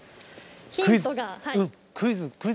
ヒントが。